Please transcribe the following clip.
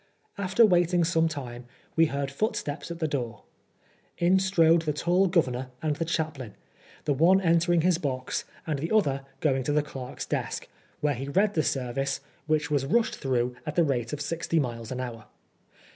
After waiting some time, we heard footsteps at the door. In strode the tall Governor and the Chaplain, the one entering his box, and the other going to the clerk's desk, where he read the service, which was rushed through at the rate of sixty miles an hour.